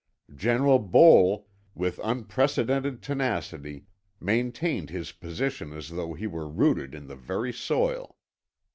General Bol, with unprecedented tenacity, maintained his position as though he were rooted in the very soil.